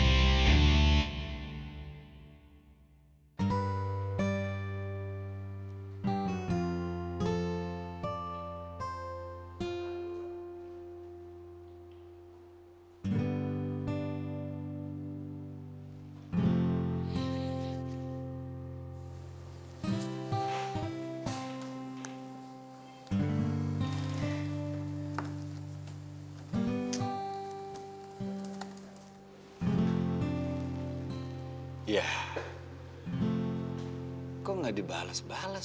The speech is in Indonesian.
ici ujung ini ada bank